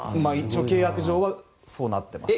契約上は一応そうなっていますね。